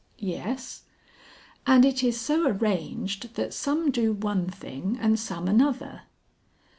"Yes?" "And it is so arranged that some do one thing and some another."